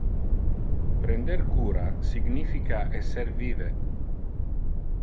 Prender cura significa esser vive.